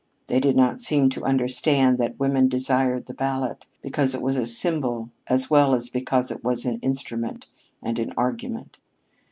They did not seem to understand that women desired the ballot because it was a symbol as well as because it was an instrument and an argument.